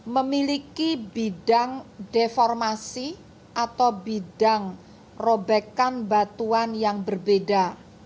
memiliki bidang deformasi atau bidang robekan batuan yang berbeda